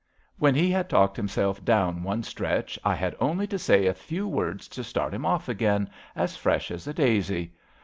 When he had talked himself down one stretch, I had only to say a few words to start him off again, as fresh as a daisy.